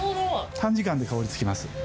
短時間で香り付きます。